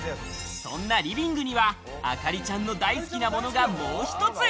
そんなリビングには、あかりちゃんの大好きなものが、もう一つ。